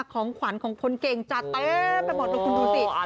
ของขวัญของคนเก่งจัดเต็มไปหมดดูคุณดูสิ